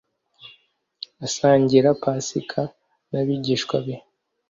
asangira Pasika n abigishwa be